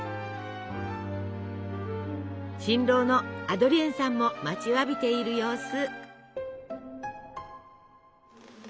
新郎のアドリエンさんも待ちわびている様子。